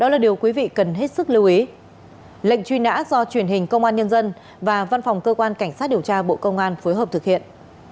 lệnh truy nã do truyền hình công an nhân dân và văn phòng cơ quan cảnh sát điều tra bộ công an phối hợp thực hiện